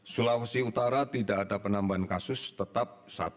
sulawesi utara tidak ada penambahan kasus tetap satu